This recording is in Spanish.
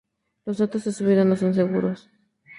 Los datos de su vida no son seguros.